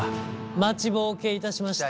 待ちぼうけいたしました。